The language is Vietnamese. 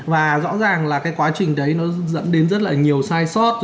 và rõ ràng là cái quá trình đấy nó dẫn đến rất là nhiều sai sót